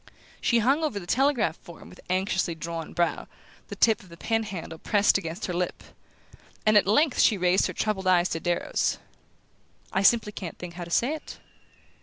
She hung over the telegraph form with anxiously drawn brow, the tip of the pen handle pressed against her lip; and at length she raised her troubled eyes to Darrow's. "I simply can't think how to say it."